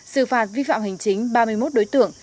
sự phạt vi phạm hình chính ba mươi một đối tượng